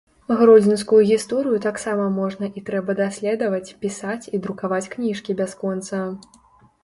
Гродзенскую гісторыю таксама можна і трэба даследаваць, пісаць і друкаваць кніжкі бясконца.